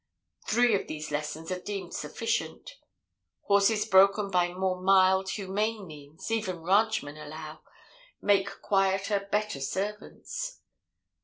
Three of these lessons are deemed sufficient. Horses broken by more mild, humane means even ranchmen allow make quieter, better servants.